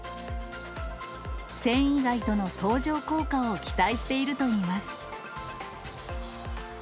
繊維街との相乗効果を期待しているといいます。